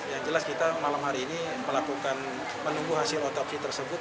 yang jelas kita malam hari ini melakukan menunggu hasil otopsi tersebut